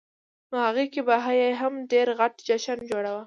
نوهغې کې به یې هم ډېر غټ جشن جوړاوه.